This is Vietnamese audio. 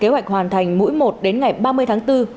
kế hoạch hoàn thành mũi một đến ngày ba mươi tháng bốn